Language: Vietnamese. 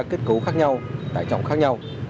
kết cấu khác nhau tải trọng khác nhau